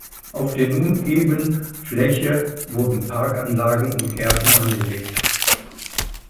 Auf der nun eben Fläche wurden Parkanlagen und Gärten angelegt.